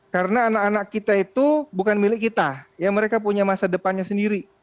karena anak anak kita itu bukan milik kita ya mereka punya masa depannya sendiri